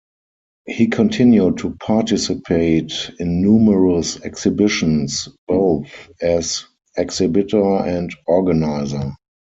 He continued to participate in numerous exhibitions, both as exhibitor and organizer.